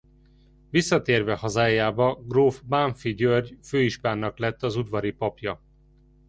Visszatérve hazájába gróf Bánffy György főispánnak lett az udvari papja.